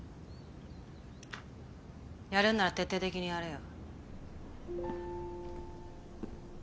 やるんなら徹底的にやれよ。